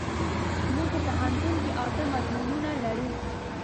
مونږ په پوهنتون کې اته مضمونونه لرو.